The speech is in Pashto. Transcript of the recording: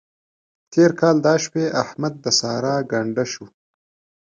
تېر کال دا شپې احمد د سارا ګنډه شو.